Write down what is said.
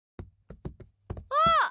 あっ！